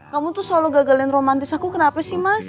kamu tuh selalu gagalin romantis aku kenapa sih mas